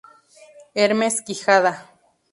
Hermes Quijada.